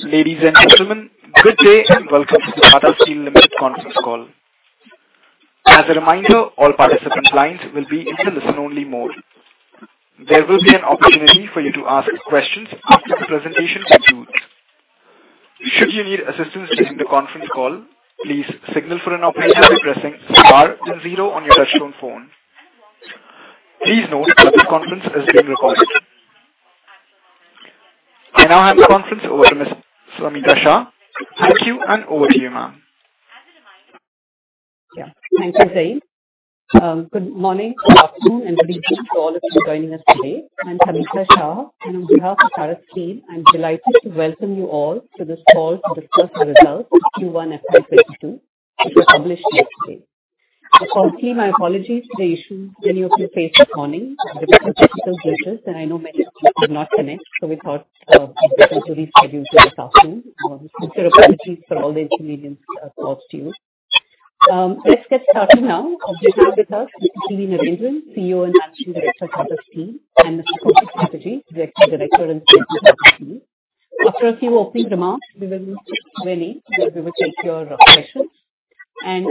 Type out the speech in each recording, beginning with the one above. Ladies and gentlemen, good day and welcome to the Tata Steel Limited conference call. I now hand the conference over to Ms. Samita Shah. Thank you, and over to you, ma'am. Thank you, Zane. Good morning, good afternoon, and good evening to all of you joining us today. I'm Samita Shah, on behalf of Tata Steel, I'm delighted to welcome you all to this call to discuss the results of Q1 FY22, which were published yesterday. My apologies for the issues many of you faced this morning with the technical glitches, I know many of you could not connect. We thought it best to reschedule to this afternoon. Apologies for all the inconvenience caused to you. Let's get started now. We have with us Mr. T. V. Narendran, CEO and Managing Director of Tata Steel, Mr. Koushik Chatterjee, Executive Director and CFO of Tata Steel. After a few opening remarks, we will take your questions. As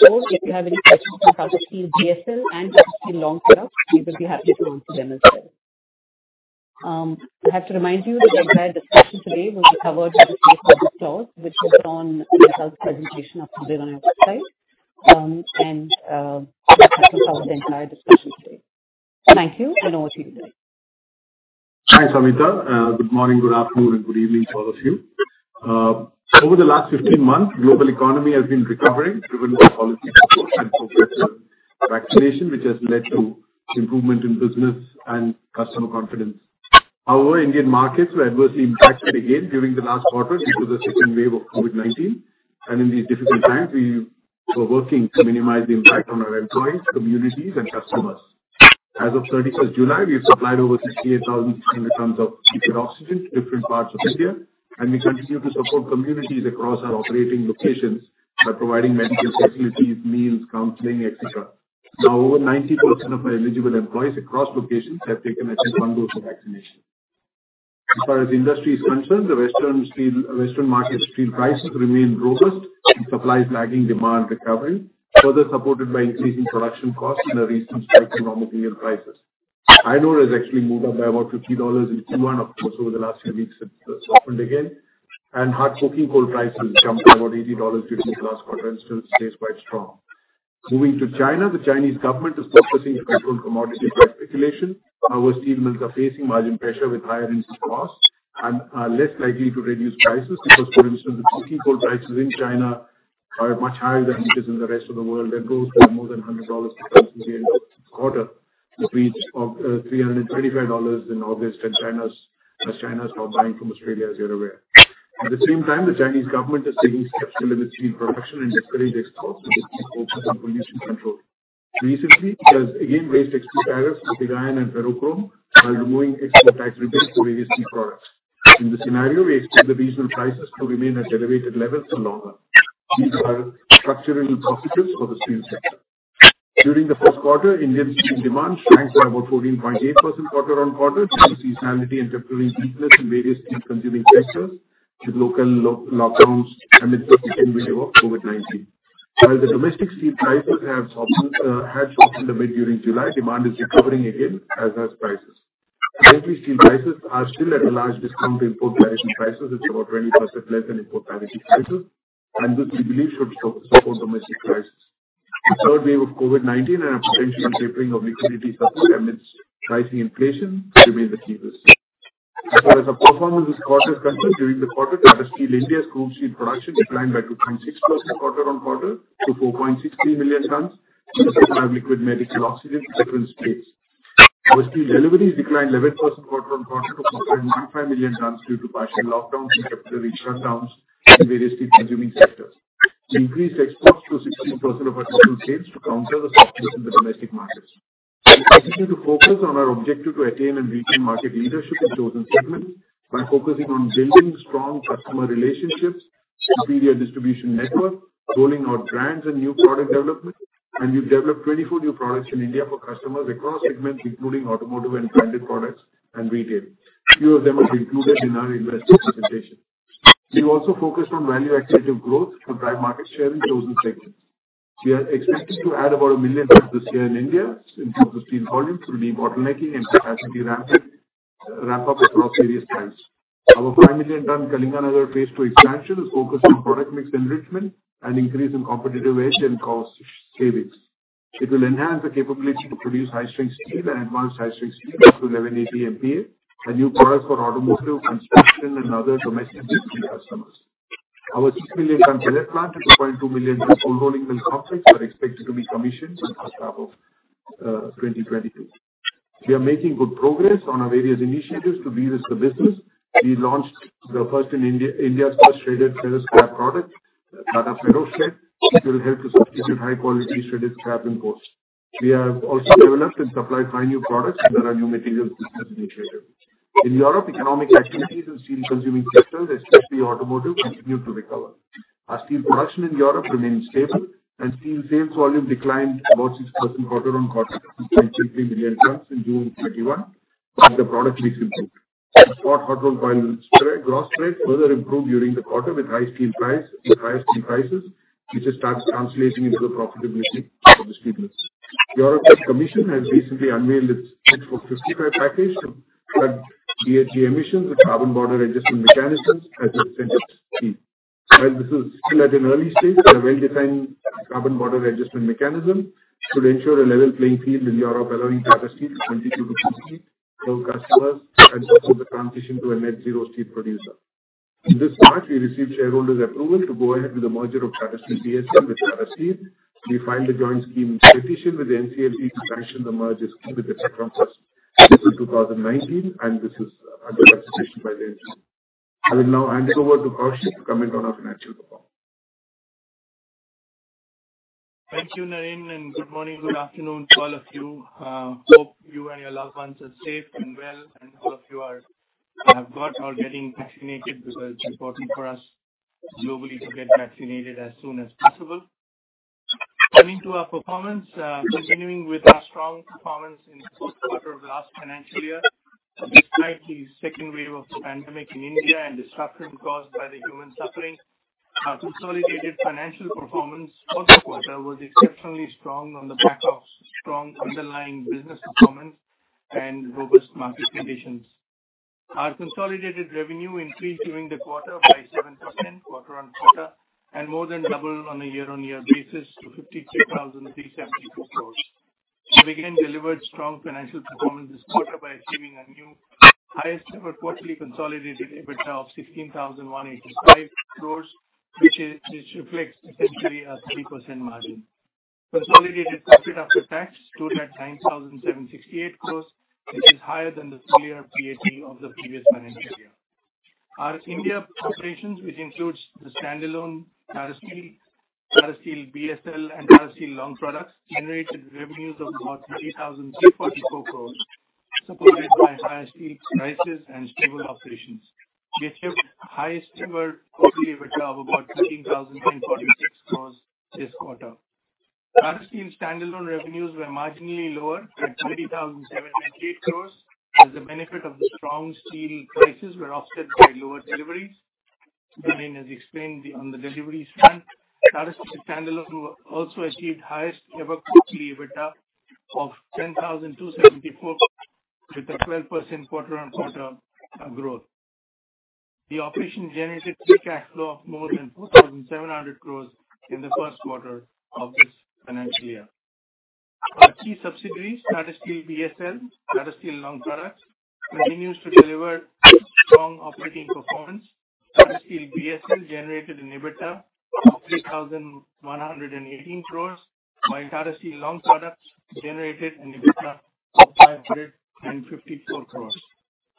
before, if you have any questions on Tata Steel BSL and Tata Steel Long Products, we will be happy to answer them as well. I have to remind you that the entire discussion today will be covered by the safe harbor clause, which is on the results presentation uploaded on our website, and that will cover the entire discussion today. Thank you, and over to you, T. V. Narendran. Hi, Samita. Good morning, good afternoon, and good evening, all of you. Over the last 15 months, the global economy has been recovering driven by policy support and widespread vaccination, which has led to improvement in business and customer confidence. However, Indian markets were adversely impacted again during the last quarter due to the second wave of COVID-19. In these difficult times, we were working to minimize the impact on our employees, communities, and customers. As of July 31st, we've supplied over 68,300 tons of liquid oxygen to different parts of India, and we continue to support communities across our operating locations by providing medical facilities, meals, counseling, et cetera. Now over 90% of our eligible employees across locations have taken at least one dose of vaccination. As far as the industry is concerned, the Western market steel prices remain robust with supplies lagging demand recovery, further supported by increasing production costs and a recent spike in raw material prices. Iron ore has actually moved up by about $50 in Q1. Of course, over the last few weeks it softened again, and hard coking coal prices jumped to about $80 during this last quarter and still stays quite strong. Moving to China, the Chinese government is surfacing to control commodity price speculation. Our steel mills are facing margin pressure with higher input costs and are less likely to reduce prices because, for instance, the coking coal prices in China are much higher than it is in the rest of the world and rose by more than $100 per ton during this quarter to reach $335 in August as China's now buying from Australia, as you're aware. At the same time, the Chinese government is taking steps to limit steel production and discourage exports as it keeps focused on pollution control. Recently, it has again raised export tariffs for iron and ferrochrome while removing export tax rebates for various steel products. In this scenario, we expect the regional prices to remain at elevated levels for longer. These are structural positives for the steel sector. During the first quarter, Indian steel demand shrank by about 14.8% quarter-on-quarter due to seasonality and temporary weakness in various steel-consuming sectors with local lockdowns amidst the second wave of COVID-19. While the domestic steel prices had softened a bit during July, demand is recovering again, as are prices. Currently, steel prices are still at a large discount to import parity prices. It's about 20% less than import parity prices, and this we believe should support domestic prices. The third wave of COVID-19 and a potential tapering of liquidity support amidst rising inflation remain the key risks. As our performance this quarter is concerned, during the quarter, Tata Steel India's gross steel production declined by 2.6% quarter on quarter to 4.63 million tons due to supply of liquid medical oxygen to different states. Our steel deliveries declined 11% quarter on quarter to 4.15 million tons due to partial lockdowns and temporary shutdowns in various steel-consuming sectors. We increased exports to 16% of our total sales to counter the softness in the domestic markets. We continue to focus on our objective to attain and retain market leadership in chosen segments by focusing on building strong customer relationships, superior distribution network, rolling out brands and new product development. We've developed 24 new products in India for customers across segments, including automotive and branded products and retail. Few of them are included in our investor presentation. We also focused on value-add driven growth to drive market share in chosen segments. We are expecting to add about 1 million tons this year in India in terms of steel volumes through debottlenecking and capacity ramp-up across various plants. Our 5 million-ton Kalinganagar phase II expansion is focused on product mix enrichment and increase in competitiveness and cost savings. It will enhance the capability to produce high-strength steel and advanced high-strength steel up to 1180 MPa, a new product for automotive, construction, and other domestic steel customers. Our 6 million-ton Jharia plant and 2.2 million-ton cold rolling mill complex are expected to be commissioned in first half of 2022. We are making good progress on our various initiatives to de-risk the business. We launched India's first shredded ferrous scrap product, Tata FerroShred. It will help to substitute high-quality shredded scrap imports. We have also developed and supplied five new products under our new materials business initiative. In Europe, economic activities in steel-consuming sectors, especially automotive, continue to recover. Our steel production in Europe remains stable and steel sales volume declined about 6% quarter-on-quarter to 10.3 million tonnes in June 2021 with the product mix improved. Our spot hot rolled coil gross trade further improved during the quarter with high steel prices, which has started translating into the profitability of the steel mills. The European Commission has recently unveiled its Fit for 55 package to cut GHG emissions with Carbon Border Adjustment Mechanisms at the center of steel. While this is still at an early stage, a well-defined Carbon Border Adjustment Mechanism should ensure a level playing field in Europe, allowing Tata Steel to continue to compete for customers and support the transition to a net zero steel producer. In this March, we received shareholders' approval to go ahead with the merger of Tata Steel BSL with Tata Steel. We find the joint scheme efficient with the NCLT to sanction the merger scheme with its creditors since 2019, and this is under consideration by the NCLT. I will now hand it over to Koushik to comment on our financial performance. Thank you, Naren, and good morning, good afternoon to all of you. Hope you and your loved ones are safe and well, and all of you have got or are getting vaccinated because it's important for us globally to get vaccinated as soon as possible. Coming to our performance. Continuing with our strong performance in the first quarter of the last financial year, despite the second wave of the pandemic in India and disruption caused by the human suffering, our consolidated financial performance for the quarter was exceptionally strong on the back of strong underlying business performance and robust market conditions. Our consolidated revenue increased during the quarter by 7% quarter-on-quarter and more than double on a year-on-year basis to 53,372 crores. We again delivered strong financial performance this quarter by achieving a new highest ever quarterly consolidated EBITDA of 16,185 crores, which reflects essentially a 3% margin. Consolidated PAT stood at 9,768 crores, which is higher than the full year PAT of the previous financial year. Our India operations, which includes the standalone Tata Steel, Tata Steel BSL and Tata Steel Long Products, generated revenues of about 30,344 crores, supported by higher steel prices and stable operations. We achieved highest ever quarterly EBITDA of about INR 13,946 crores this quarter. Tata Steel standalone revenues were marginally lower at INR 30,798 crores as the benefit of the strong steel prices were offset by lower deliveries. Naren has explained on the deliveries front. Tata Steel standalone also achieved highest ever quarterly EBITDA of 10,274 crores with a 12% quarter-on-quarter growth. The operation generated free cash flow of more than 4,700 crores in the first quarter of this financial year. Our key subsidiaries, Tata Steel BSL, Tata Steel Long Products, continues to deliver strong operating performance. Tata Steel BSL generated an EBITDA of INR 3,118 crores, while Tata Steel Long Products generated an EBITDA of 554 crores.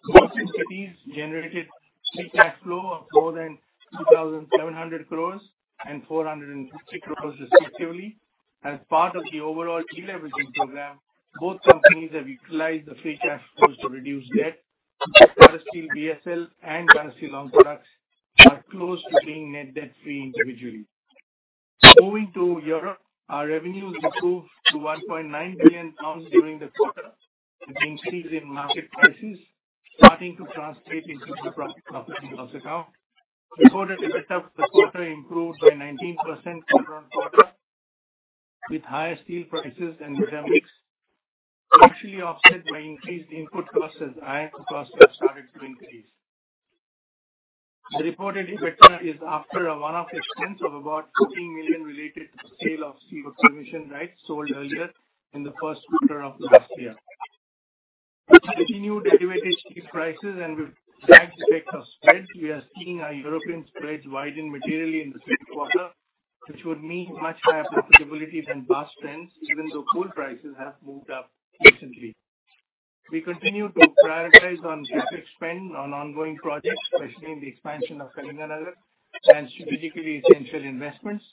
Both subsidiaries generated free cash flow of more than 2,700 crores and 450 crores respectively. As part of the overall deleveraging program, both companies have utilized the free cash flows to reduce debt. Tata Steel BSL and Tata Steel Long Products are close to being net debt-free individually. Moving to Europe, our revenues improved to 1.9 billion pounds during the quarter between season market prices starting to translate into the profit and loss account. Reported EBITDA for the quarter improved by 19% quarter-on-quarter with higher steel prices and mix partially offset by increased input costs as iron costs have started to increase. The reported EBITDA is after a one-off expense of about 15 million GBP related to the sale of CO2 emission rights sold earlier in the first quarter of last year. With continued elevated steel prices and with lag effects of spreads, we are seeing our European spreads widen materially in the second quarter, which would mean much higher profitability than past trends, even though coal prices have moved up recently. We continue to prioritize on CapEx spend on ongoing projects, especially in the expansion of Kalinganagar and strategically essential investments.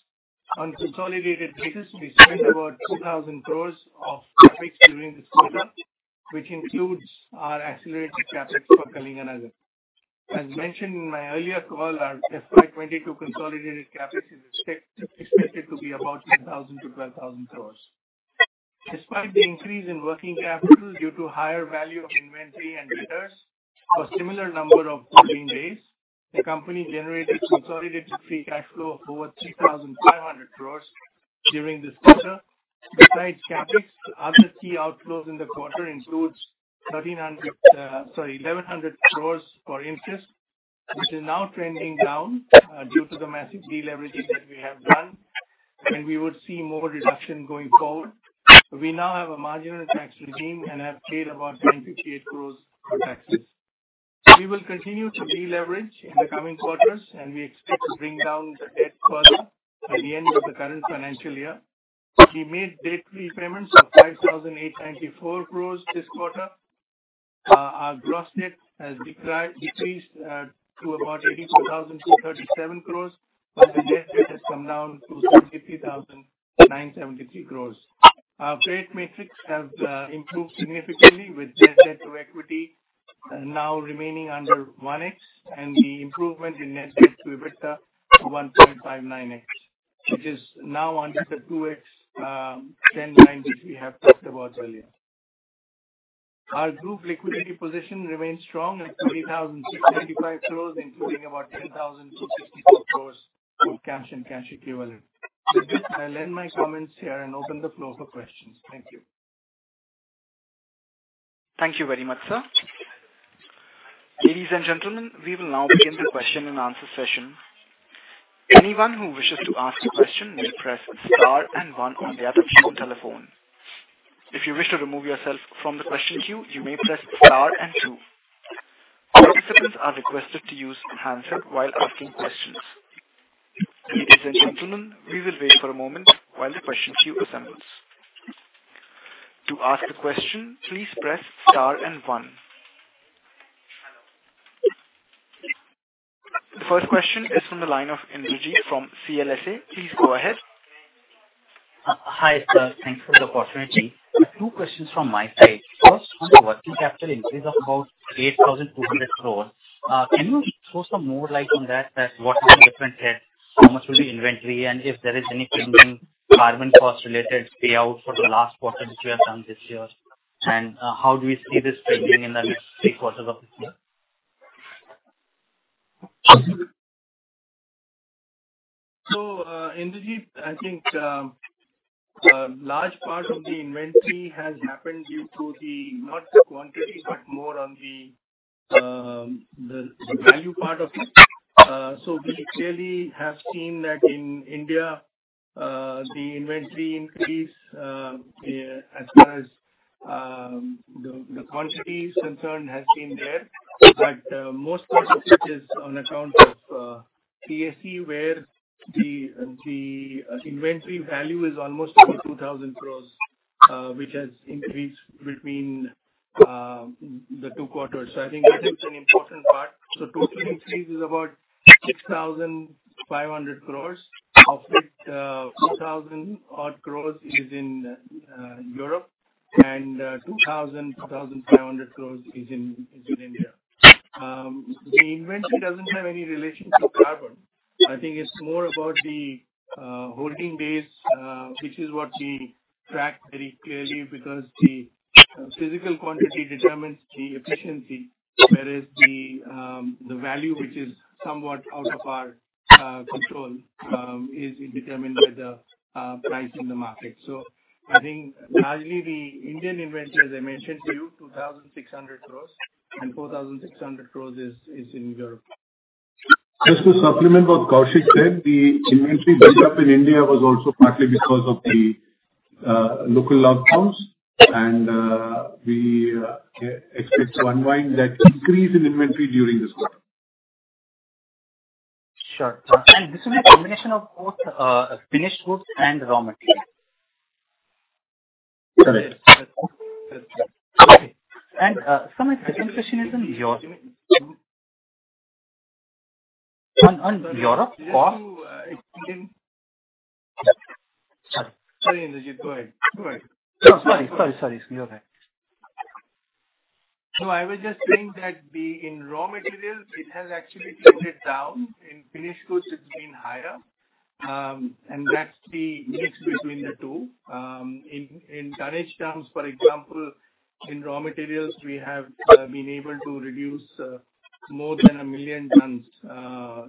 On a consolidated basis, we spent about 2,000 crores of CapEx during this quarter, which includes our accelerated CapEx for Kalinganagar. As mentioned in my earlier call, our FY 2022 consolidated CapEx is expected to be about 10,000-12,000 crores. Despite the increase in working capital due to higher value of inventory and debtors for similar number of trading days, the company generated consolidated free cash flow of over 3,500 crores during this quarter. Besides CapEx, other key outflows in the quarter includes 1,100 crores for interest, which is now trending down due to the massive deleveraging that we have done, and we would see more reduction going forward. We now have a marginal tax regime and have paid about 958 crores for taxes. We will continue to deleverage in the coming quarters, and we expect to bring down the debt further by the end of the current financial year. We made debt repayments of INR 5,894 crores this quarter. Our gross debt has decreased to about INR 82,237 crores while the net debt has come down to INR 63,973 crores. Our credit metrics have improved significantly with net debt to equity remaining under 1x, and the improvement in net debt to EBITDA to 1.59x, which is now under the 2x threshold which we have talked about earlier. Our group liquidity position remains strong at 3,625 crores, including about 10,262 crores of cash and cash equivalents. With this, I'll end my comments here and open the floor for questions. Thank you. Thank you very much, sir. Ladies and gentlemen, we will now begin the question-and-answer session. Anyone who wishes to ask a question may press star and one on their touch-tone telephone. If you wish to remove yourself from the question queue, you may press star and two. All participants are requested to use handset while asking questions. Ladies and gentlemen, we will wait for a moment while the question queue assembles. To ask a question, please press star and one. The first question is from the line of Indrajit from CLSA. Please go ahead. Hi, sir. Thanks for the opportunity. Two questions from my side. First, on the working capital increase of about 8,200 crores, can you throw some more light on that what is the different head, how much will be inventory, and if there is any change in carbon cost related payout for the last quarter which you have done this year? How do we see this trending in the next three quarters of this year? Indrajit, I think large part of the inventory has happened due to not the quantity, but more on the value part of it. We clearly have seen that in India, the inventory increase as far as the quantity is concerned has been there, but most part of it is on account of TSE where the inventory value is almost only 2,000 crores, which has increased between the two quarters. I think that is an important part. Total increase is about 6,500 crores, of which 2,000 odd crores is in Europe and 2,000-2,500 crores is in India. The inventory doesn't have any relation to carbon. I think it's more about the holding base, which is what we track very clearly because the physical quantity determines the efficiency. Whereas the value which is somewhat out of our control is determined by the price in the market. I think largely the Indian inventory, as I mentioned to you, 2,600 crores and 4,600 crores is in Europe. Just to supplement what Koushik said, the inventory built up in India was also partly because of the local lockdowns. We expect to unwind that increase in inventory during this quarter. Sure. This is a combination of both finished goods and raw material. Correct. Okay. Sir, my second question. On Europe. Sorry, Indrajit. Go ahead. Sorry. It's okay. I was just saying that in raw materials, it has actually tapered down. In finished goods, it has been higher. That is the mix between the two. In tonnage terms, for example, in raw materials, we have been able to reduce more than 1 million tons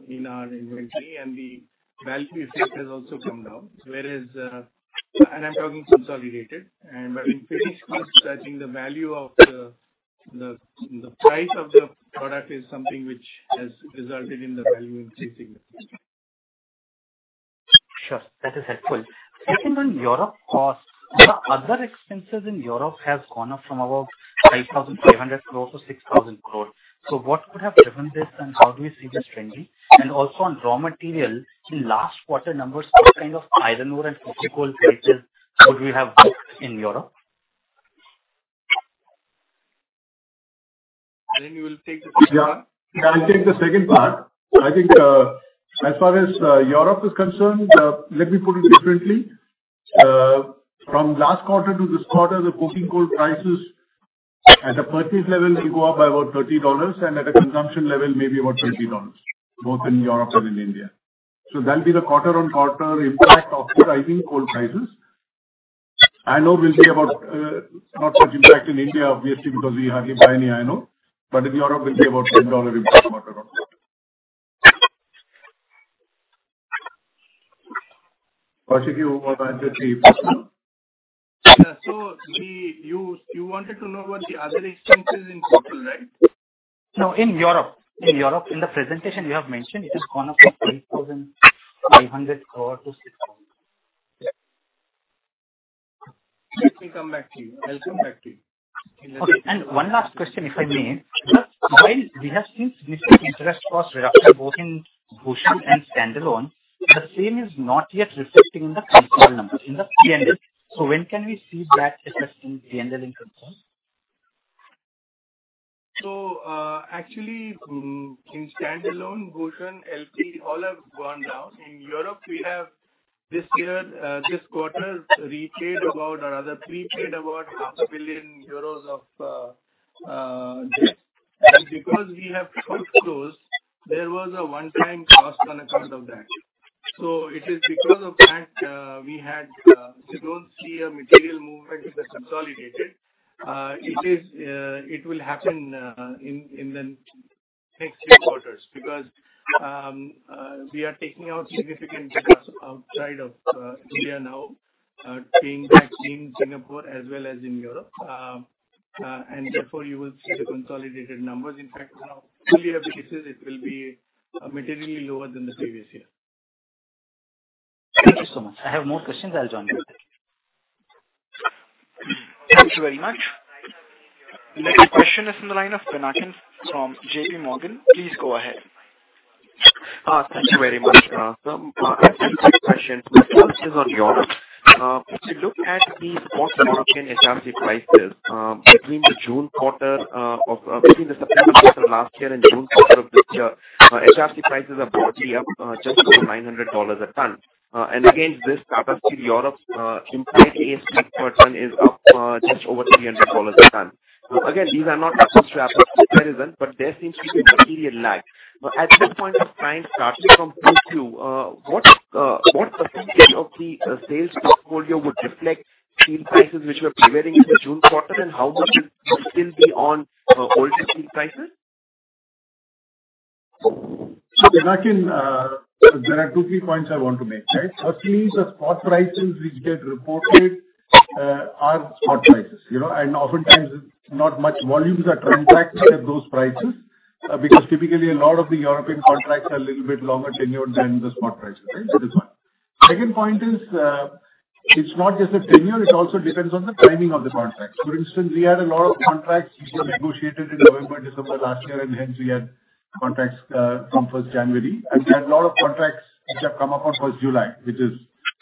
in our inventory and the value effect has also come down. I am talking consolidated. In finished goods, I think the price of the product is something which has resulted in the value increasing. Sure. That is helpful. Second, on Europe costs, the other expenses in Europe have gone up from about 5,500 crore to 6,000 crore. What could have driven this and how do we see this trending? Also on raw material, in last quarter numbers, what kind of iron ore and coking coal prices could we have booked in Europe? Naren, you will take the second part. Yeah. I'll take the second part. I think as far as Europe is concerned, let me put it differently. From last quarter to this quarter, the coking coal prices at a purchase level may go up by about $30 and at a consumption level, maybe about $20, both in Europe and in India. That'll be the quarter-on-quarter impact of rising coal prices. Iron ore will be about not much impact in India, obviously, because we hardly buy any iron ore, but in Europe will be about $10 impact quarter-on-quarter. Kaushik, you want to add to the first one? You wanted to know about the other expenses in total, right? No, in Europe. In the presentation you have mentioned it has gone up from 3,500 crore to 6,000 crore. Let me come back to you. I'll come back to you. Okay. One last question, if I may? Sir, while we have seen significant interest cost reduction both in Bhushan and standalone, the same is not yet reflecting in the P&L numbers. When can we see that reflect in P&L and income? Actually, in standalone, Bhushan, LP all have gone down. In Europe this quarter we prepaid about half a billion euros of this. Because we have pushed those, there was a one-time cost on account of that. It is because of that we don't see a material movement in the consolidated. It will happen in the next few quarters because we are taking out significant capacity outside of India now, being that in Singapore as well as in Europe. Therefore you will see the consolidated numbers. In fact, now full year basis it will be materially lower than the previous year. Thank you so much. I have more questions. I'll join you. Thank you very much. Next question is on the line of Mr. Pinakin Parekh from JPMorgan. Please go ahead. Thank you very much. Sir, I have two quick questions. First is on Europe. If you look at the spot market HRC prices between the September quarter last year and June quarter of this year, HRC prices are broadly up just over $900 a ton. Against this, Tata Steel Europe's implied ASP per ton is up just over $300 a ton. Again, these are not apples-to-apples comparison, but there seems to be a material lag. At this point of time, starting from Q2, what % of the sales portfolio would reflect steel prices which were prevailing in the June quarter and how much will still be on older steel prices? Pinakin, there are two, three points I want to make. First thing is that spot prices which get reported are spot prices. Oftentimes not much volumes are contracted at those prices because typically a lot of the European contracts are a little bit longer tenure than the spot prices. That's one. Second point is it's not just the tenure, it also depends on the timing of the contract. For instance, we had a lot of contracts which were negotiated in November, December last year, and hence we had contracts from 1st January. We had a lot of contracts which have come up on 1st July, which is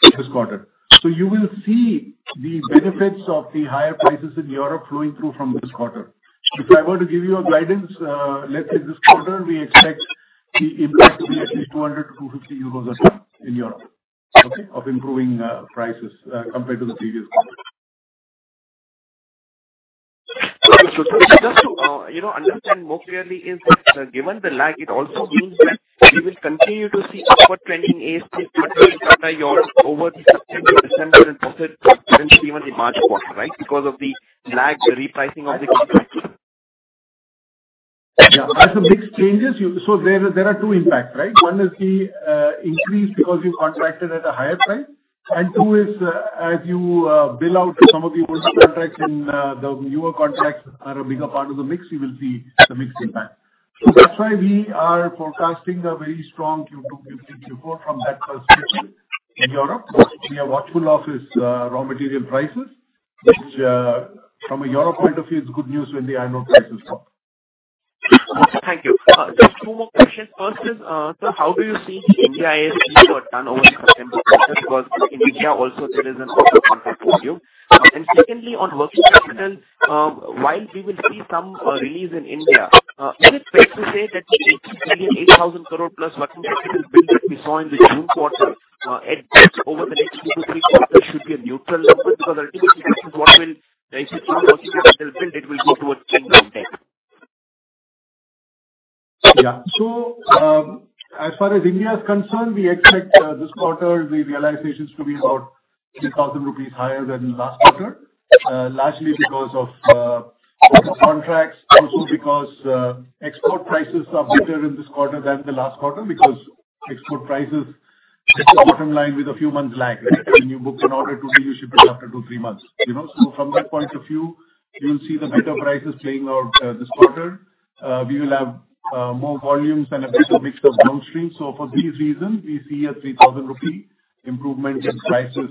this quarter. You will see the benefits of the higher prices in Europe flowing through from this quarter. If I were to give you a guidance, let's say this quarter we expect the impact to be at least 200-250 euros a ton in Europe of improving prices compared to the previous quarter. Just to understand more clearly is that given the lag, it also means that we will continue to see upward trending ASPs by Europe over the September quarter, even the March quarter, right? Because of the lag, the repricing of the contracts. As the mix changes, there are two impacts. One is the increase because you contracted at a higher price. Two is as you bill out some of the older contracts and the newer contracts are a bigger part of the mix, you will see the mix impact. That's why we are forecasting a very strong Q2, Q3 report from that perspective in Europe. We are watchful of raw material prices, which from a Europe point of view is good news when the iron ore prices drop. Thank you. Just two more questions. First is, sir, how do you see India ASP per ton over September quarter? Because in India also there is an auto contract portfolio. Secondly, on working capital, while we will see some release in India, is it fair to say that the INR 8,000 crore plus working capital build that we saw in the June quarter, at best over the next 2-3 quarters should be a neutral number because ultimately that is what will, if it's not working capital build, it will go towards paying down debt. As far as India is concerned, we expect this quarter the realizations to be about 3,000 rupees higher than last quarter, largely because of contracts, also because export prices are better in this quarter than the last quarter because export prices hit the bottom line with a few months lag. When you book an order today, you ship it after 2-3 months. From that point of view, you'll see the better prices playing out this quarter. We will have more volumes and a better mix of downstream. For these reasons we see an 3,000 rupee improvement in prices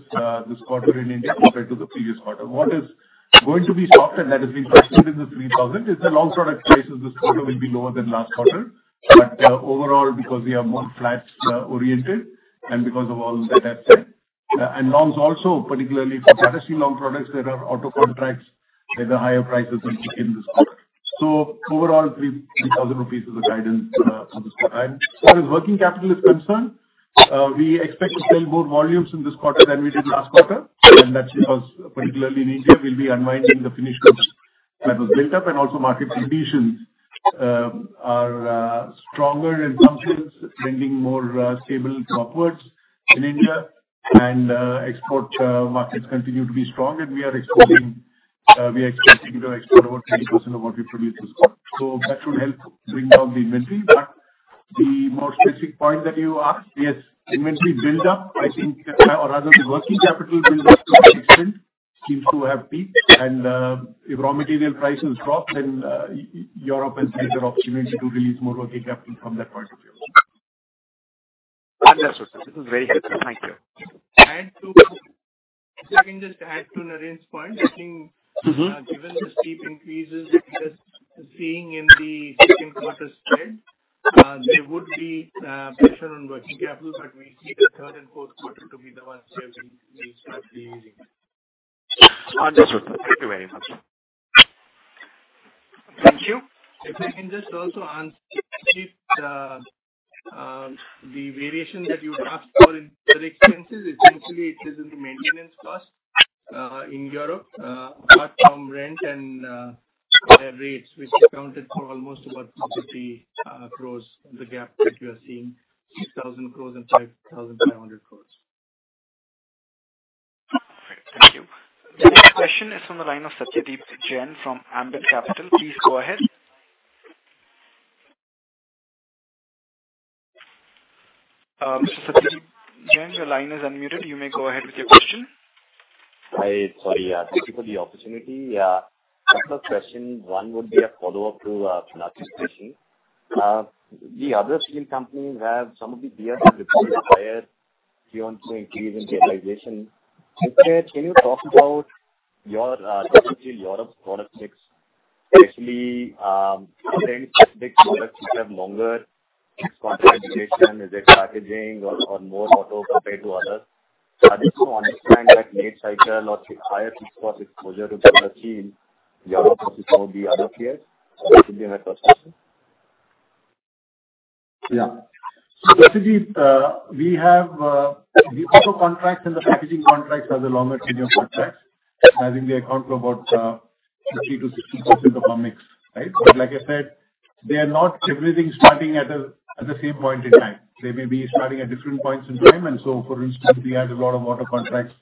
this quarter in India compared to the previous quarter. What is going to be softer that is being priced in the 3,000 is the Long Products prices this quarter will be lower than last quarter. Overall because we are more flats oriented and because of all that I've said. Longs also particularly for Tata Steel Long Products that are auto contracts at a higher price will kick in this quarter. Overall 3,000 rupees is the guidance for this quarter. As far as working capital is concerned, we expect to sell more volumes in this quarter than we did last quarter. That's because particularly in India we'll be unwinding the finished goods that was built up and also market conditions are stronger and confidence trending more stable upwards in India and export markets continue to be strong and we are expecting to export over 30% of what we produce this quarter. That will help bring down the inventory. The more specific point that you asked, yes, inventory build up I think or rather the working capital build up to some extent seems to have peaked and if raw material prices drop then Europe is a bigger opportunity to release more working capital from that point of view. Understood, sir. This is very helpful. Thank you. If I can just add to Naren's point. I think given the steep increases that we're seeing in the second quarter spread, there would be pressure on working capital, but we see the third and fourth quarter to be the ones where we start releasing. I'll just repeat the way it was. Thank you. If I can just also answer the variation that you asked for in other expenses. Essentially, it is in the maintenance cost in Europe apart from rent and higher rates, which accounted for almost about 250 crores, the gap that you are seeing, 6,000 crores and 5,500 crores. All right. Thank you. The next question is from the line of Satyadeep Jain from Ambit Capital. Please go ahead. Mr. Satyadeep Jain, your line is unmuted. You may go ahead with your question. Hi. Sorry. Thank you for the opportunity. Couple of questions. One would be a follow-up to Pranav's question. The other steel companies have some of the increase in utilization. Can you talk about your strategy in Europe product mix? Especially have longer contract duration. Is it packaging or more auto compared to others? Are these to understand that late cycle or higher fixed cost exposure to Tata Steel in Europe versus some of the other peers? That should be my first question. Yeah. Satyadeep, the auto contracts and the packaging contracts are the longer tenure contracts, I think they account for about 50%-60% of our mix. Like I said, not everything is starting at the same point in time. They may be starting at different points in time. For instance, we had a lot of auto contracts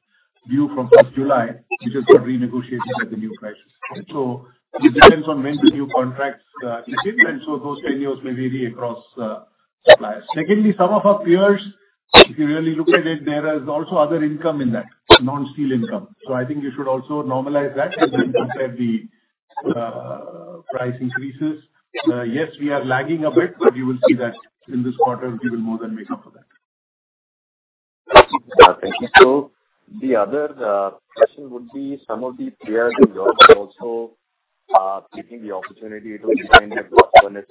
due from 1st July, which got renegotiated at the new prices. It depends on when the new contracts kick in. Those tenures may vary across suppliers. Secondly, some of our peers, if you really look at it, there is also other income in that, non-steel income. I think you should also normalize that and then compare the price increases. Yes, we are lagging a bit. You will see that in this quarter we will more than make up for that. Thank you. The other question would be some of the peers in Europe are also taking the opportunity to running at 100%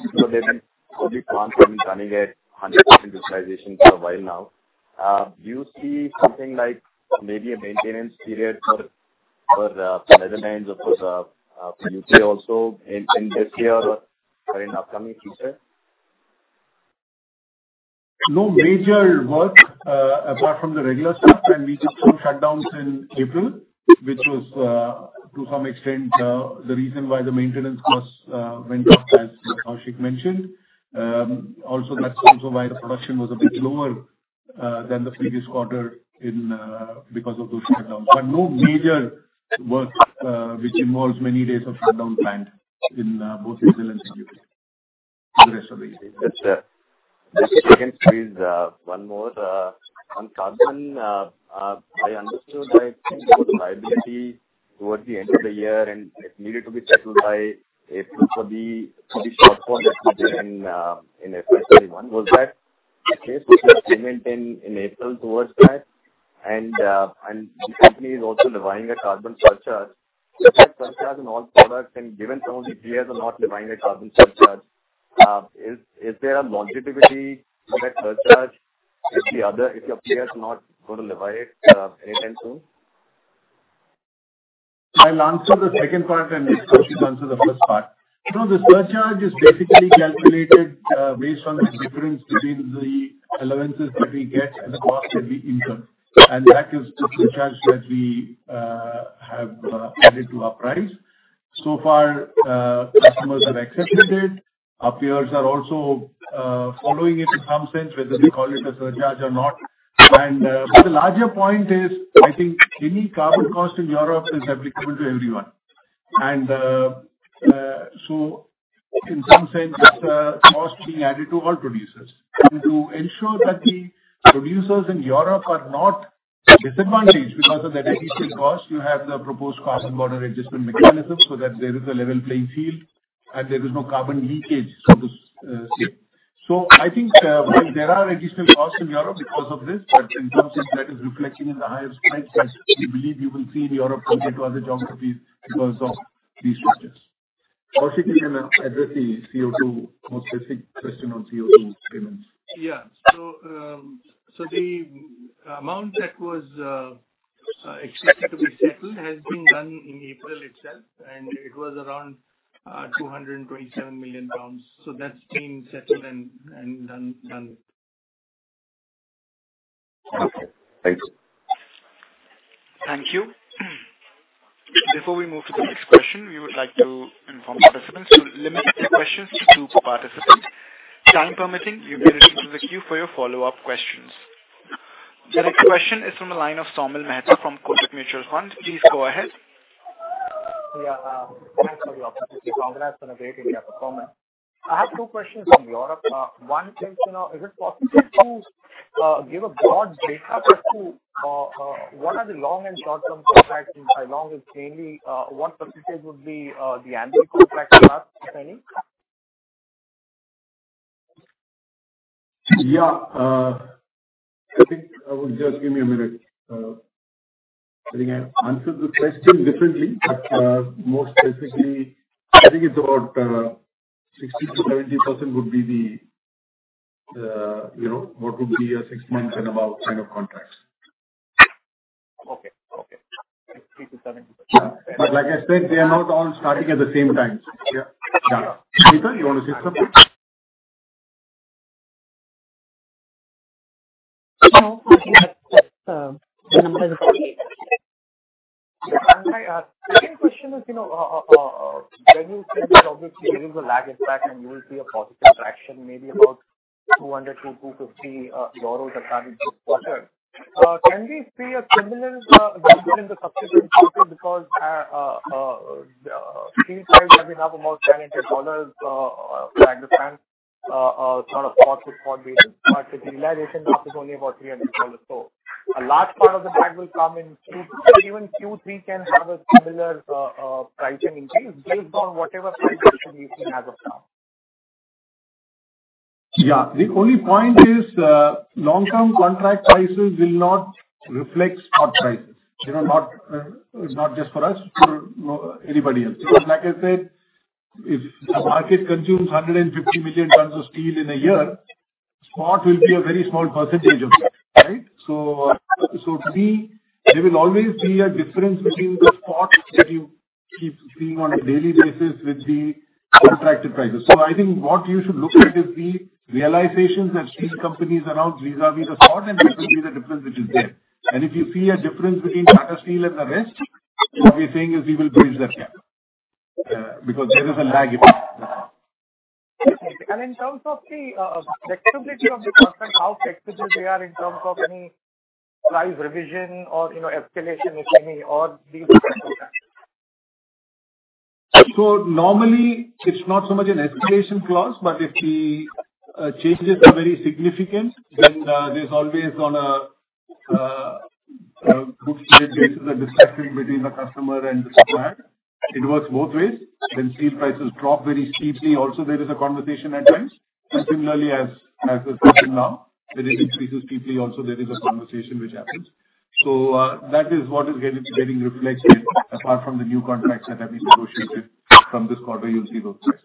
utilization for a while now. Do you see something like maybe a maintenance period for Netherlands, of course, for U.K. also in this year or in upcoming future? No major work apart from the regular stuff. We did some shutdowns in April, which was to some extent the reason why the maintenance costs went up as Kaushik mentioned. That's also why the production was a bit lower than the previous quarter because of those shutdowns. No major work which involves many days of shutdown planned in both IJmuiden and the U.K. the rest of the year. That's it. The second is 1 more on carbon. I understood that liability towards the end of the year and it needed to be settled by April for the shortfall that we did in FY 2021. Was that the case with your payment in April towards that? The company is also levying a carbon surcharge. Is that surcharge on all products and given some of the peers are not levying a carbon surcharge, is there a longevity for that surcharge if your peers not go to levy it anytime soon? I'll answer the second part and Kaushik answer the first part. The surcharge is basically calculated based on the difference between the allowances that we get and the cost that we incur, and that is the surcharge that we have added to our price. So far customers have accepted it. Our peers are also following it in some sense, whether they call it a surcharge or not. But the larger point is, I think any carbon cost in Europe is applicable to everyone. In some sense it's a cost being added to all producers. To ensure that the producers in Europe are not disadvantaged because of that additional cost, you have the proposed Carbon Border Adjustment Mechanism so that there is a level playing field and there is no carbon leakage through this scheme. I think while there are additional costs in Europe because of this, but in some sense that is reflecting in the higher price that we believe you will see in Europe compared to other geographies because of these factors. Kaushik can address the more specific question on CO2 payments. Yeah. The amount that was expected to be settled has been done in April itself, and it was around £227 million. That's been settled and done with. Okay. Thanks. Thank you. Before we move to the next question, we would like to inform participants to limit their questions to two per participant. Time permitting, you may listen to the queue for your follow-up questions. The next question is from the line of Saumil Mehta from Kotak Mutual Fund. Please go ahead. Yeah. Thanks for the opportunity. Congrats on a great India performance. I have two questions on Europe. One is it possible to give a broad data set to what are the long and short term contracts? By long it's mainly what percentage would be the annual contract if any? Yeah. I think just give me a minute. I think I answered the question differently, but more specifically, I think it's about 60%-70% what would be a six months and above kind of contracts. Okay. Six to seven. Yeah. Like I said, they are not all starting at the same time. Yeah. Yeah. Neeraj, you want to say something? No. My second question is, when you said that obviously there is a lag effect and you will see a positive traction, maybe about $200-$250 that come in this quarter, can we see a similar development in the subsequent quarter? Steel price have been up about $1,000, I understand, sort of spot with spot basis, but the realization was only about $300. A large part of that will come in Q2, but even Q3 can have a similar pricing increase based on whatever price assumption you see as of now. Yeah. The only point is long term contract prices will not reflect spot prices. Not just for us, for anybody else. Like I said, if the market consumes 150 million tons of steel in a year, spot will be a very small % of that. Right? To me, there will always be a difference between the spot that you keep seeing on a daily basis with the contracted prices. I think what you should look at is the realizations that steel companies around vis-a-vis the spot, and this will be the difference which is there. If you see a difference between Tata Steel and the rest, what we're saying is we will bridge that gap. There is a lag effect. Okay. In terms of the flexibility of the contract, how flexible they are in terms of any price revision or escalation, if any, or these kinds of things? Normally it's not so much an escalation clause, but if the changes are very significant, then there's always on a good faith basis a discussion between the customer and the supplier. It works both ways. When steel prices drop very steeply, also there is a conversation at times. Similarly, as the case is now, when it increases steeply also there is a conversation which happens. That is what is getting reflected apart from the new contracts that have been negotiated from this quarter, you'll see those prices.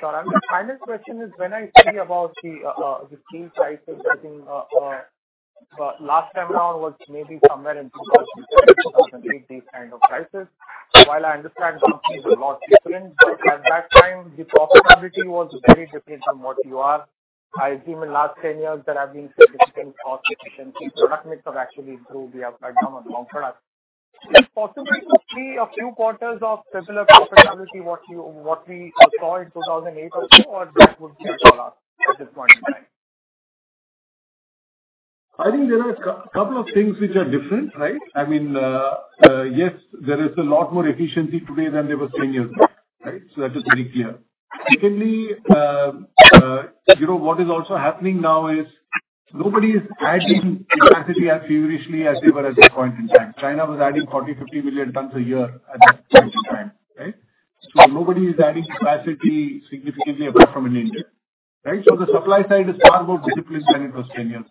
Sure. The final question is, when I study about the steel prices, I think last time around was maybe somewhere in 2007, 2008, these kind of prices. While I understand something is a lot different, but at that time the profitability was very different from what you are. I assume in last 10 years there have been significant cost efficiency, product mix have actually improved. We have right now a Long Products. Is it possible to see a few quarters of similar profitability, what we saw in 2008 or two, or that would be a tall ask at this point in time? I think there are a couple of things which are different, right. Yes, there is a lot more efficiency today than there was 10 years back. That is very clear. Secondly, what is also happening now is nobody is adding capacity as furiously as they were at that point in time. China was adding 40, 50 million tons a year at that point in time, right. Nobody is adding capacity significantly apart from in India. The supply side is far more disciplined than it was 10 years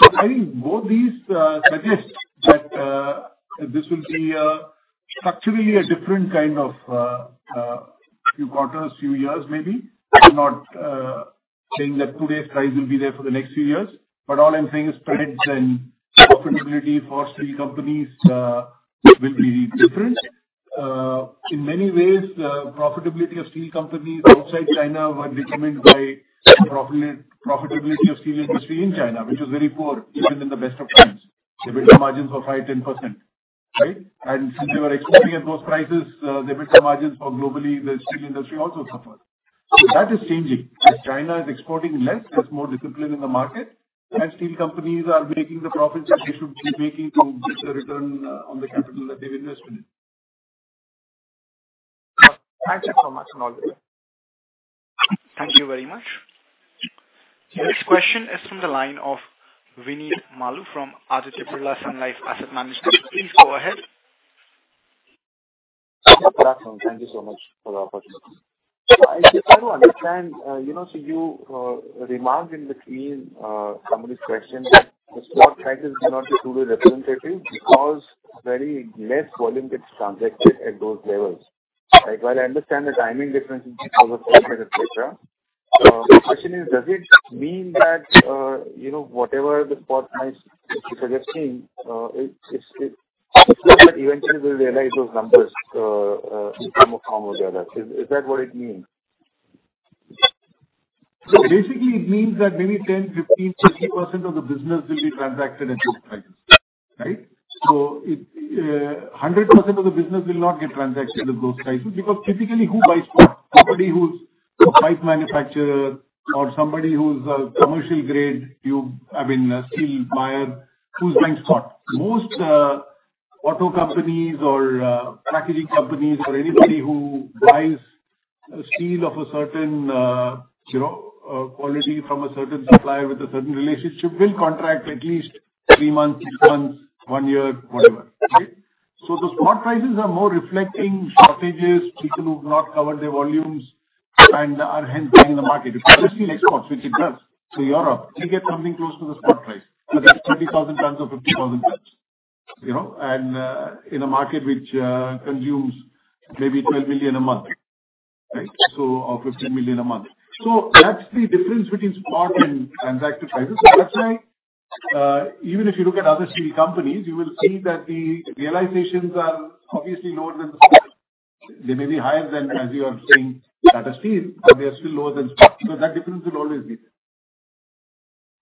back. I think both these suggest that this will be structurally a different kind of few quarters, few years, maybe. I'm not saying that today's price will be there for the next few years, but all I'm saying is spreads and profitability for steel companies will be different. In many ways, profitability of steel companies outside China were determined by profitability of steel industry in China, which was very poor even in the best of times. The EBITDA margins were 5%-10%. Right? Since they were exporting at those prices, the EBITDA margins for globally, the steel industry also suffered. That is changing. As China is exporting less, there's more discipline in the market, and steel companies are making the profits that they should be making to get the return on the capital that they've invested. Thanks so much and all the best. Thank you very much. The next question is from the line of Vineet Maloo from Aditya Birla Sun Life Asset Management. Please go ahead. Good afternoon. Thank you so much for the opportunity. I'm trying to understand, you remarked in between some of these questions that the spot prices may not be truly representative because very less volume gets transacted at those levels. I understand the timing difference because of et cetera. My question is, does it mean that whatever the spot price is suggesting eventually we'll realize those numbers in some form or the other? Is that what it means? Basically it means that maybe 10%, 15%, 50% of the business will be transacted at those prices. Right? 100% of the business will not get transacted at those prices because typically who buys spot? Somebody who's a pipe manufacturer or somebody who's a commercial grade steel buyer who's buying spot. Most auto companies or packaging companies or anybody who buys steel of a certain quality from a certain supplier with a certain relationship will contract at least three months, six months, one year, whatever. Right? The spot prices are more reflecting shortages, people who've not covered their volumes and are hence buying in the market. If you're looking exports, which it does, to Europe, you get something close to the spot price because that's 30,000 tons or 50,000 tons. In a market which consumes maybe 12 million a month or 15 million a month. That's the difference between spot and contracted prices. That's why even if you look at other steel companies, you will see that the realizations are obviously lower than the spot. They may be higher than as you are seeing Tata Steel, but they are still lower than spot. That difference will always be there.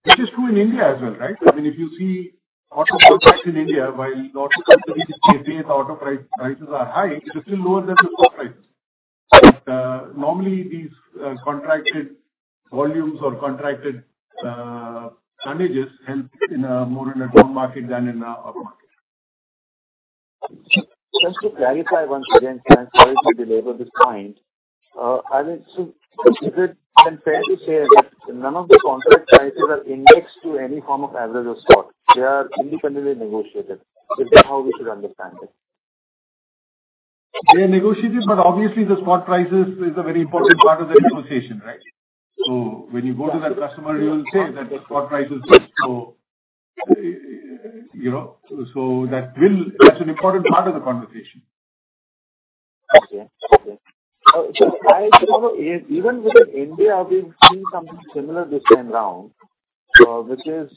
Which is true in India as well, right? If you see auto consumption in India, while a lot of companies say auto prices are high, it is still lower than the spot prices. Normally these contracted volumes or contracted tonnages help more in a down market than in an up market. Just to clarify once again, sorry to belabor this point. Is it fair to say that none of the contract prices are indexed to any form of average or spot? They are independently negotiated. Is that how we should understand it? They are negotiated, but obviously the spot prices is a very important part of the negotiation. When you go to that customer, you will say that the spot price is so. That's an important part of the conversation. Okay. Even within India, we've seen something similar this time around, which is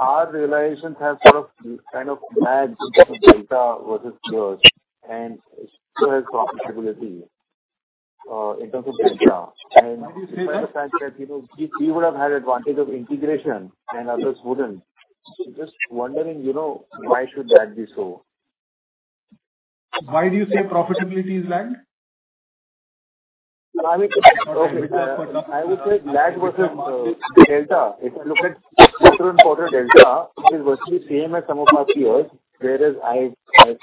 our realizations have sort of lagged in terms of delta versus yours and still has profitability in terms of delta. Why do you say that? Despite the fact that we would have had advantage of integration and others wouldn't. Just wondering, why should that be so? Why do you say profitability is lagged? I would say lagged versus delta. If you look at quarter-on-quarter delta, it is virtually same as some of our peers, whereas I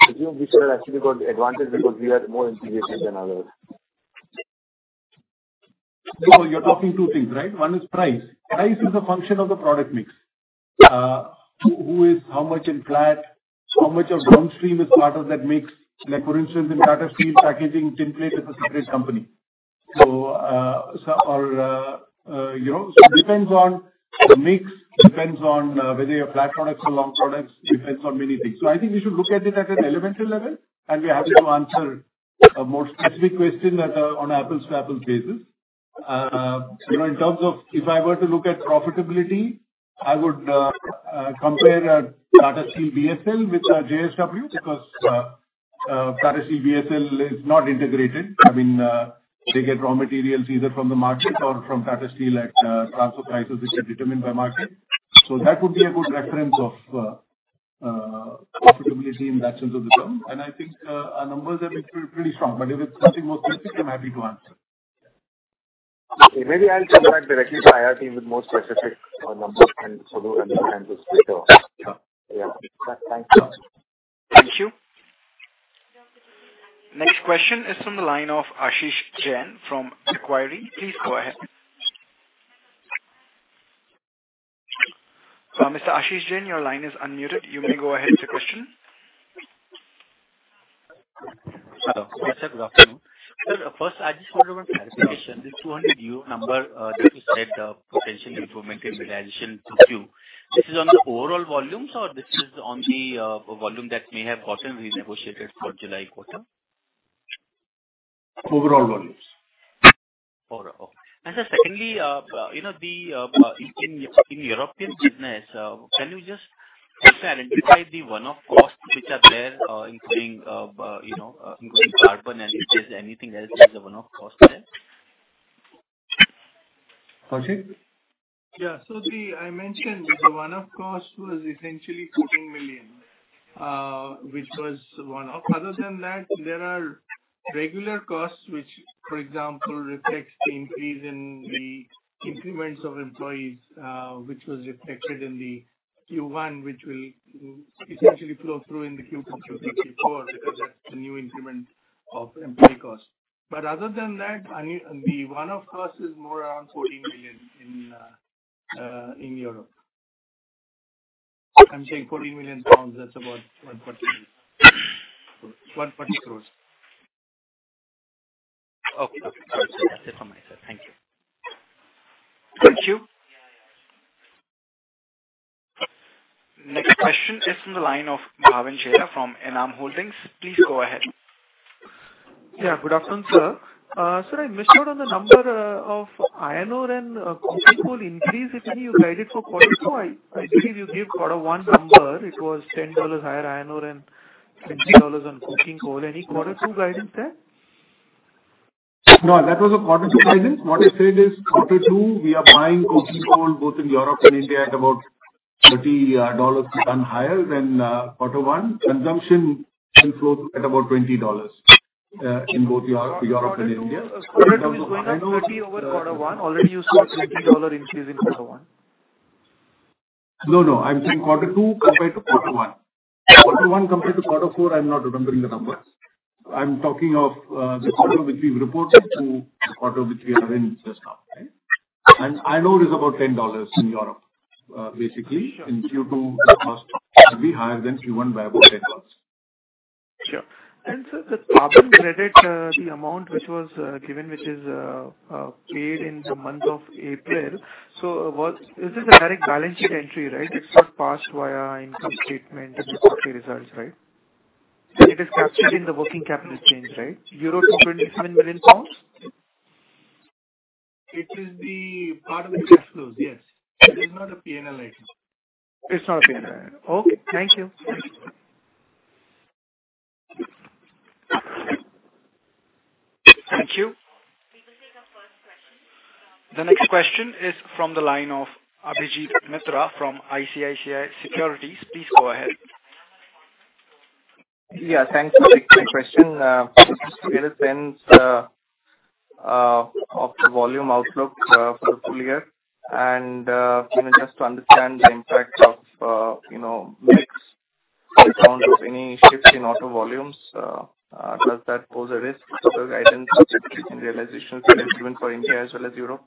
presume we should have actually got advantage because we are more integrated than others. You're talking two things, right? One is price. Price is a function of the product mix. How much in flat, how much of downstream is part of that mix. Like for instance, in Tata Steel, The Tinplate Company of India is a separate company. It depends on mix, depends on whether you have flat products or Long Products, depends on many things. I think we should look at it at an elementary level, and we're happy to answer a more specific question on apples to apples basis. In terms of if I were to look at profitability, I would compare Tata Steel BSL with JSW Steel because Tata Steel BSL is not integrated. They get raw materials either from the market or from Tata Steel at transfer prices which are determined by market. That would be a good reference of profitability in that sense of the term. I think our numbers have been pretty strong. If it's something more specific, I'm happy to answer. Okay. Maybe I'll come back directly to IR team with more specific numbers and follow and understand this better. Yeah. Yeah. Thanks a lot. Thank you. Next question is from the line of Ashish Jain from Macquarie. Please go ahead. Mr. Ashish Jain, your line is unmuted. You may go ahead with your question. Yes, sir. Good afternoon. Sir, first I just wanted one clarification. The INR 200 million number that you said potential improvement in realization Q2, this is on the overall volumes or this is on the volume that may have gotten renegotiated for July quarter? Overall volumes. Overall. Sir, secondly, in European business, can you just clarify the one-off costs which are there, including carbon and if there's anything else as a one-off cost there? Prajakt? I mentioned the one-off cost was essentially 14 million, which was one-off. Other than that, there are regular costs which, for example, reflects the increase in the increments of employees which was reflected in the Q1, which will essentially flow through into Q2, Q3, Q4 because that's the new increment of employee cost. Other than that, the one-off cost is more around 14 million in Europe. I'm saying 14 million pounds, that's about 140 crores. Okay. That's it from my side. Thank you. Thank you. Next question is from the line of Bhavin Jain from ENAM Holdings. Please go ahead. Yeah, good afternoon, sir. Sir, I missed out on the number of iron ore and coking coal increase, if any, you guided for quarter two. I believe you gave quarter one number. It was $10 higher iron ore and $20 on coking coal. Any quarter two guidance there? No, that was a quarter two guidance. What I said is quarter two, we are buying coking coal both in Europe and India at about $30 a ton higher than quarter one. Consumption will flow through at about $20 in both Europe and India. Quarter two is going up $30 over quarter one. Already you said $20 increase in quarter one. No, no. I'm saying Q2 compared to Q1. Q1 compared to Q4, I'm not remembering the numbers. I'm talking of the quarter which we've reported to the quarter which we are in just now. Iron ore is about $10 in Europe. Basically in Q2, the cost could be higher than Q1 by about Sir, the carbon credit, the amount which was given, which is paid in the month of April. This is a direct balance sheet entry, right? It's not passed via income statement and the profit results, right? It is captured in the working capital change, right? EUR 227 million. It is the part of the cash flows, yes. It is not a P&L item. It's not a P&L. Okay, thank you. Thank you. We will take the first question. The next question is from the line of Abhijit Mitra from ICICI Securities. Please go ahead. Yeah, thanks for taking my question. Just to get a sense of the volume outlook for the full year and just to understand the impact of mix account of any shifts in auto volumes, does that pose a risk to the guidance in realization that is given for India as well as Europe?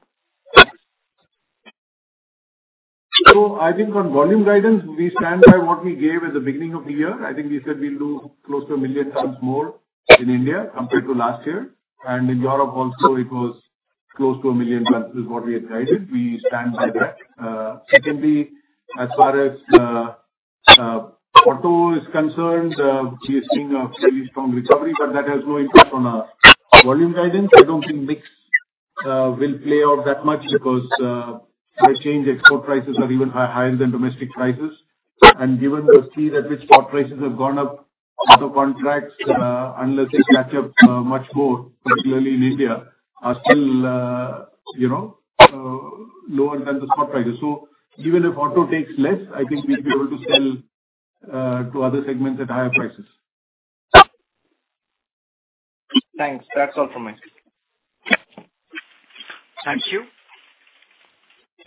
I think on volume guidance, we stand by what we gave at the beginning of the year. I think we said we will do close to 1 million tons more in India compared to last year. In Europe also, it was close to 1 million tons is what we had guided. We stand by that. Secondly, as far as auto is concerned, we are seeing a very strong recovery, but that has no impact on our volume guidance. I do not think mix will play out that much because price change export prices are even higher than domestic prices. Given the speed at which spot prices have gone up, auto contracts, unless they catch up much more, particularly in India, are still lower than the spot prices. Even if auto takes less, I think we will be able to sell to other segments at higher prices. Thanks. That's all from me. Thank you.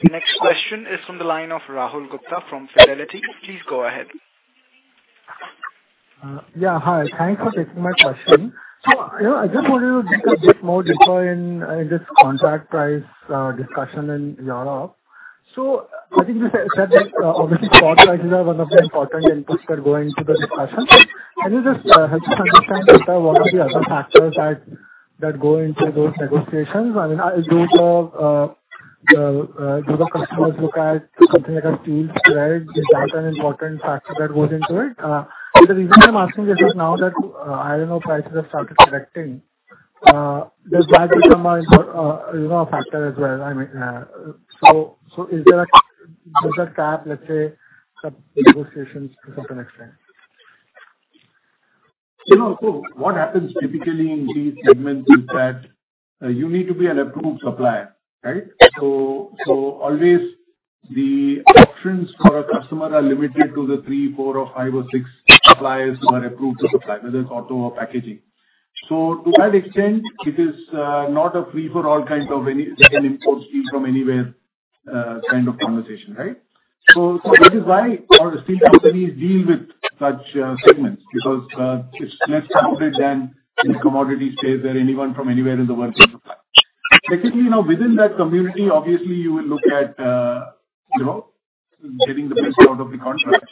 The next question is from the line of Rahul Gupta from Fidelity. Please go ahead. Yeah, hi. Thanks for taking my question. I just wanted to dig a bit more deeper in this contract price discussion in Europe. I think you said that obviously spot prices are one of the important inputs that go into the discussion. Can you just help us understand what are the other factors that go into those negotiations? I mean, do the customers look at something like a steel spread? Is that an important factor that goes into it? The reason I'm asking this is now that iron ore prices have started correcting does that become a factor as well? Is there a cap, let's say, for negotiations to some extent? What happens typically in these segments is that you need to be an approved supplier, right. Always the options for a customer are limited to the three, four or five or six suppliers who are approved to supply, whether it's auto or packaging. To that extent, it is not a free for all kinds of any, they can import steel from anywhere kind of conversation, right. That is why our steel companies deal with such segments because it's less coverage than in commodities, say that anyone from anywhere in the world can supply. Technically within that community, obviously you will look at getting the best out of the contract.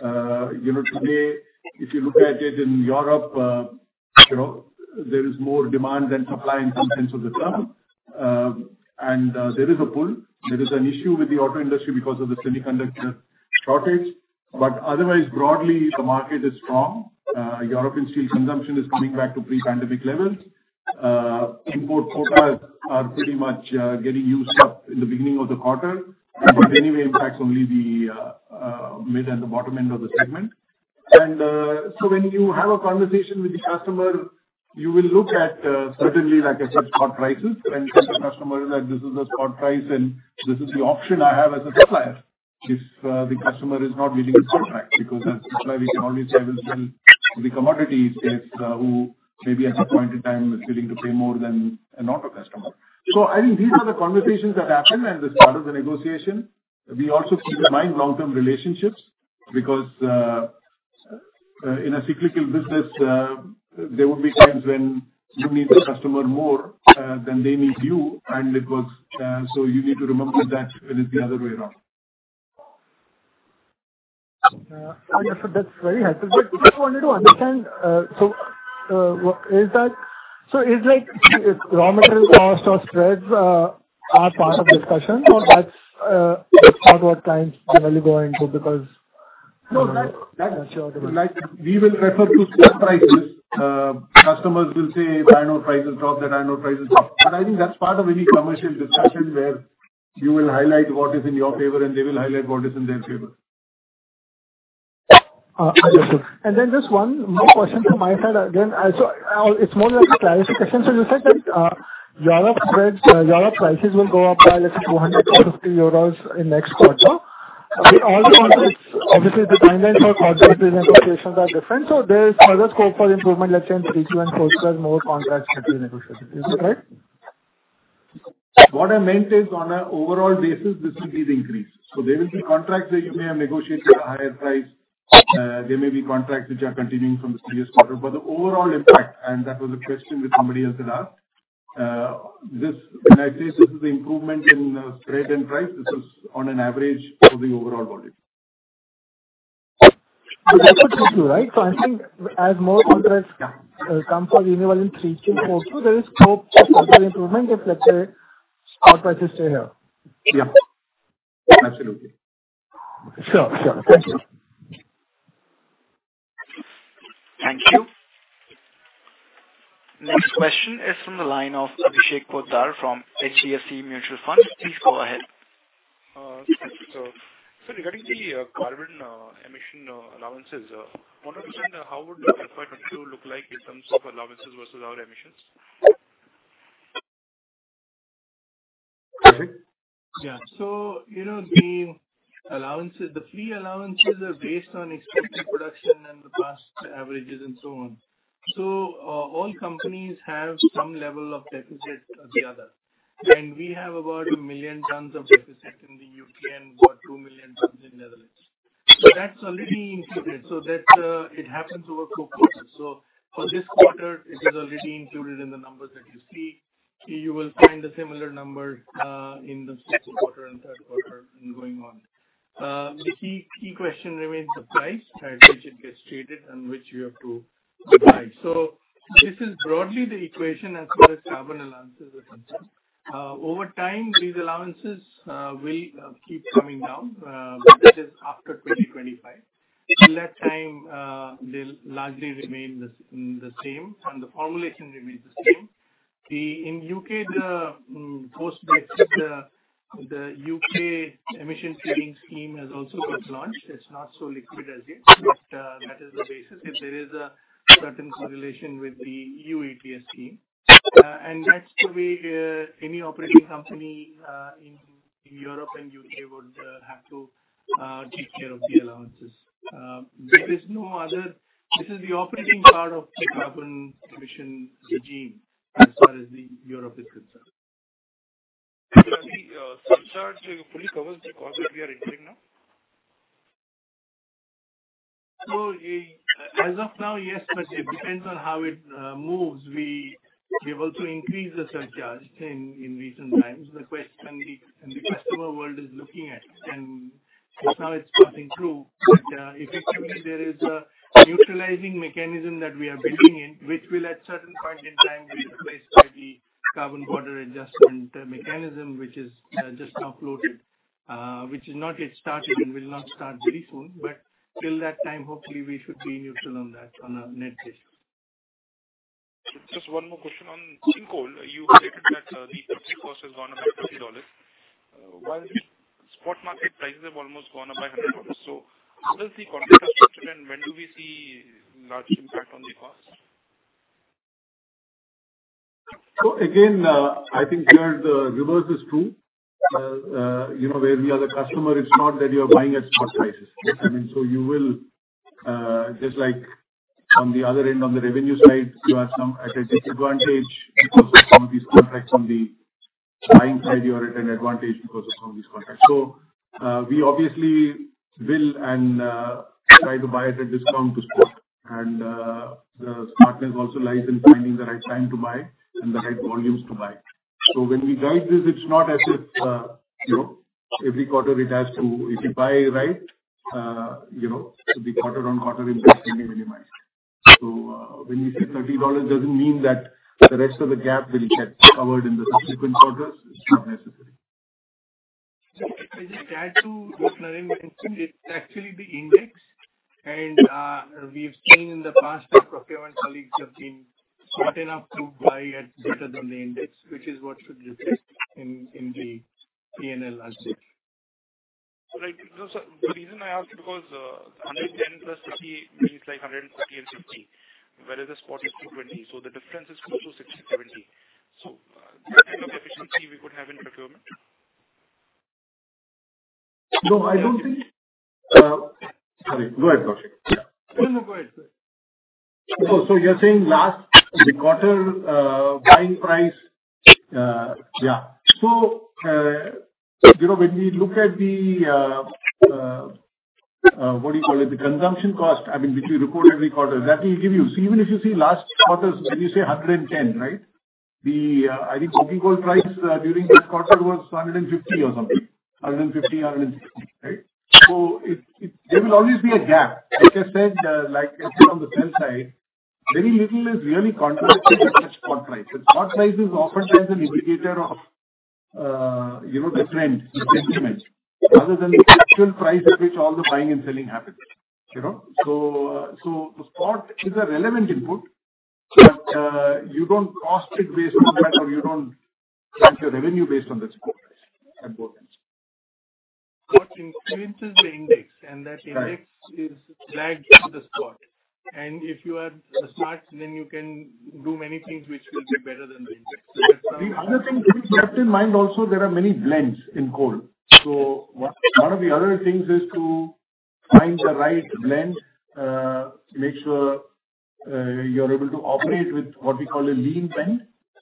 Today if you look at it in Europe there is more demand than supply in some sense of the term. There is a pull. There is an issue with the auto industry because of the semiconductor shortage. Otherwise, broadly the market is strong. European steel consumption is coming back to pre-pandemic levels. Import quotas are pretty much getting used up in the beginning of the quarter. Anyway impacts only the mid and the bottom end of the segment. When you have a conversation with the customer, you will look at certainly like I said, spot prices and tell the customer that this is the spot price and this is the option I have as a supplier. If the customer is not willing to contract because that's why we can always say we'll sell to the commodity traders who maybe at that point in time is willing to pay more than an auto customer. I think these are the conversations that happen and the start of the negotiation. We also keep in mind long-term relationships because in a cyclical business there will be times when you need the customer more than they need you and because so you need to remember that when it's the other way around. Understood. That's very helpful. Just wanted to understand so is like raw material cost or spreads are part of discussion or that's not what clients generally go into? No that- Sure. We will refer to spot prices. Customers will say iron ore prices dropped. I think that is part of any commercial discussion where you will highlight what is in your favor and they will highlight what is in their favor. Understood. Just one more question from my side again. It's more like a clarification. You said that Europe spreads, Europe prices will go up by let's say €250 in next quarter. Obviously the timelines for contract presentations are different so there is further scope for improvement let's say in Q2 and Q3 as more contracts get renegotiated. Is that right? What I meant is on an overall basis this will be the increase. There will be contracts where you may have negotiated a higher price. There may be contracts which are continuing from the previous quarter. The overall impact, and that was a question which somebody else had asked, when I say this is the improvement in spread and price, this is on an average for the overall volume. That's a Q2, right? I think as more contracts come for renewal in Q3, Q4 too, there is scope for further improvement if let's say spot prices stay here. Yeah. Absolutely. Sure. Thank you. Thank you. Next question is from the line of Abhishek Poddar from HDFC Mutual Fund. Please go ahead. Sir. Regarding the carbon emission allowances, I wanted to understand how would FY 2022 look like in terms of allowances versus our emissions? Koushik? The free allowances are based on expected production and the past averages and so on. We have about 1 million tons of deficit in the U.K. and about 2 million tons in Netherlands. That, it happens over four quarters. For this quarter, it is already included in the numbers that you see. You will find a similar number in the second quarter and third quarter and going on. The key question remains the price at which it gets traded and which you have to provide. This is broadly the equation as far as carbon allowances are concerned. Over time, these allowances will keep coming down, that is after 2025. Till that time, they'll largely remain the same, and the formulation remains the same. In U.K., the post-Brexit, the UK Emissions Trading Scheme has also got launched. It's not so liquid as yet, but that is the basis. There is a certain correlation with the EU ETS scheme. That's the way any operating company in Europe and U.K. would have to take care of the allowances. There is no other. This is the operating part of the carbon emission regime as far as Europe is concerned. Does the surcharge fully cover the cost that we are incurring now? As of now, yes, but it depends on how it moves. We've also increased the surcharge in recent times. The customer world is looking at it, and right now it's passing through. Effectively, there is a neutralizing mechanism that we are building in, which will at certain point in time be replaced by the Carbon Border Adjustment Mechanism, which is just now floated, which is not yet started and will not start very soon. Till that time, hopefully, we should be neutral on that on a net basis. Just one more question. On coking coal, you had said that the contract cost has gone up by $20, while spot market prices have almost gone up by $100. How is the contract structured, and when do we see large impact on the cost? Again, I think here the reverse is true. Where we are the customer, it's not that you are buying at spot prices. You will, just like on the other end of the revenue side, you are at a disadvantage because of some of these contracts. On the buying side, you are at an advantage because of some of these contracts. We obviously will and try to buy it at discount to spot. The smartness also lies in finding the right time to buy and the right volumes to buy. When we guide this, it's not as if every quarter. If you buy right, it should be quarter on quarter improvement can be minimized. When you say $30, it doesn't mean that the rest of the gap will get covered in the subsequent quarters. It's not necessary. If I just add to what Narendran mentioned, it's actually the index. We've seen in the past that procurement colleagues have been smart enough to buy at better than the index, which is what should reflect in the P&L as it. Right. The reason I ask because, $110 + $50 means like $150 and $50, whereas the spot is $220. The difference is close to $60, $70. That kind of efficiency we could have in procurement. No, I don't think. Sorry. Go ahead, Abhishek. No, go ahead, sir. You're saying last quarter buying price. Yeah. When we look at the, what do you call it, the consumption cost, which we report every quarter, that will give you. Even if you see last quarter's, when you say $110, right? I think coking coal price during this quarter was $150 or something. $150, $160, right? There will always be a gap. Like I said, on the sell side, very little is really contracted at spot price. The spot price is oftentimes an indicator of the trend, the sentiment, rather than the actual price at which all the buying and selling happens. The spot is a relevant input, but you don't cost it based on that, or you don't count your revenue based on the spot price at both ends. Spot influences the index, and that index is lagged to the spot. If you are smart, then you can do many things which will be better than the index. The other thing to keep in mind also, there are many blends in coal. One of the other things is to find the right blend, make sure you are able to operate with what we call a lean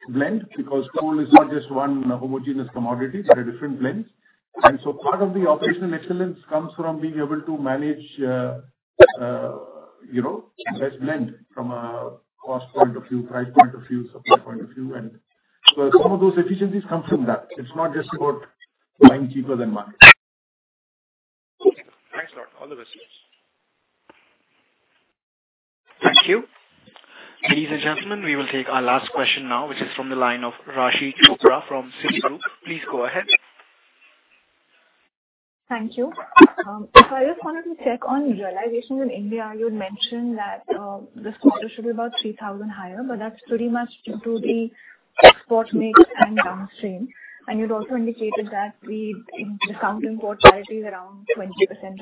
blend, because coal is not just one homogeneous commodity, there are different blends. Part of the operational excellence comes from being able to manage, you know, best blend from a cost point of view, price point of view, supply point of view, and so some of those efficiencies come from that. It's not just about buying cheaper than market. Thanks a lot. All the best. Thank you. Ladies and gentlemen, we will take our last question now, which is from the line of Raashi Chopra from Citigroup. Please go ahead. Thank you. I just wanted to check on realizations in India. You had mentioned that this quarter should be about 3,000 higher, but that's pretty much due to the export mix and downstream. You'd also indicated that the discount to import parity is around 20%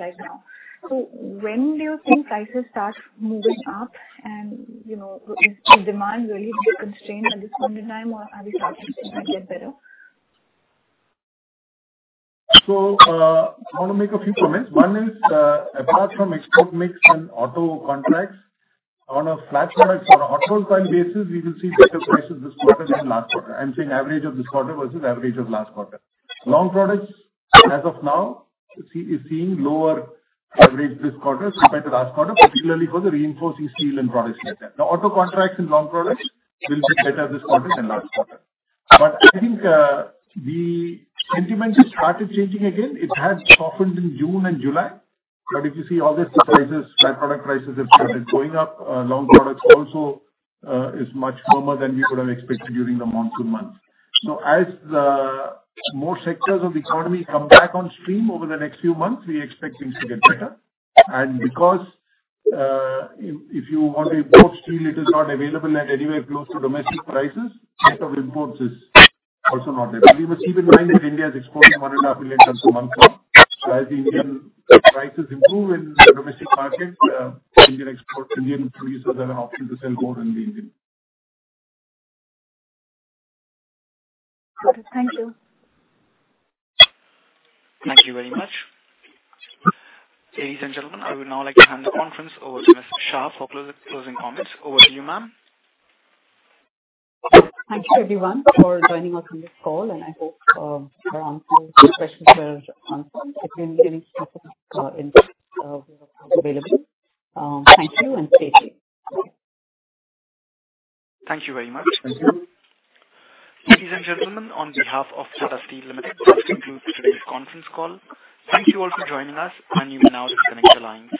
right now. When do you think prices start moving up and is the demand really this constrained at this point in time, or are we starting to get better? I want to make a few comments. One is, apart from export mix and auto contracts, on a flat products on an all-time basis, we will see better prices this quarter than last quarter. I am saying average of this quarter versus average of last quarter. Long Products, as of now, is seeing lower average this quarter compared to last quarter, particularly for the reinforcing steel and products like that. Auto contracts in Long Products will get better this quarter than last quarter. I think the sentiment has started changing again. It had softened in June and July. If you see August prices, flat product prices have started going up. Long Products also is much firmer than we could have expected during the monsoon months. As more sectors of the economy come back on stream over the next few months, we expect things to get better. Because if you want to import steel, it is not available at anywhere close to domestic prices, set of imports is also not there. You must keep in mind that India is exporting 1.5 million tons a month now. As the Indian prices improve in the domestic market Indian exports, Indian producers have an option to sell more and more in the Indian market. Got it. Thank you. Thank you very much. Ladies and gentlemen, I would now like to hand the conference over to Ms. Shah for closing comments. Over to you, ma'am. Thank you everyone for joining us on this call, and I hope your questions were answered. If you need any specific info we are available. Thank you and stay tuned. Thank you very much. Ladies and gentlemen, on behalf of Tata Steel Limited, that concludes today's conference call. Thank you all for joining us, and you may now disconnect the lines.